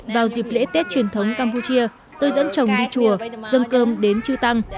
vào dịp lễ tết truyền thống campuchia tôi dẫn chồng đi chùa dân cơm đến chư tăng